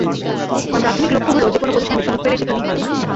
আমার প্রাথমিক লক্ষ্য হলো যেকোনো পজিশনে সুযোগ পেলেই সেখানেই ভালো করা।